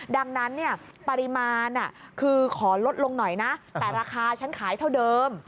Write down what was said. ดังนั้นปริมาณคือขอลดลงหน่อยนะแต่ราคาฉันขายเท่าเดิม